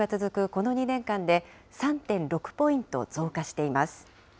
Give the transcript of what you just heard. この２年間で、３．６ポイント増加しています。